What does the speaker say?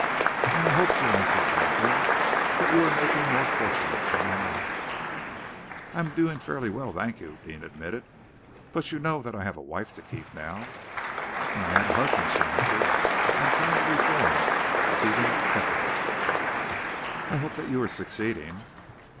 "And I hope," she answered, laughing, "that you are making more fortunes from my mine." "I am doing fairly well, thank you," Deane admitted, "but you know that I have a wife to keep now." "And I a husband," she answered. "I am trying to reform Stephen Hefferom." "I hope that you are succeeding?"